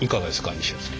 西谷さん。